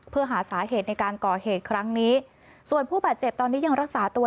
เพื่อหาสาเหตุในการก่อเหตุครั้งนี้ส่วนผู้บาดเจ็บตอนนี้ยังรักษาตัว